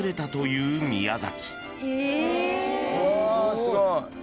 すごい。